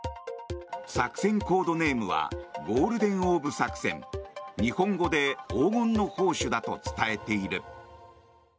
作戦コードネームはゴールデン・オーブ作戦日本語で黄金の宝珠だと伝えている。